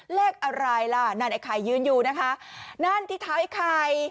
เลขอะไรล่ะนั่นไอ้ไข่ยืนอยู่นะคะนั่นที่เท้าไอ้ไข่